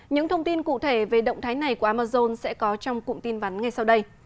những thông tin cụ thể về động thái này của amazon sẽ có trong cụm tin vắn ngay sau đây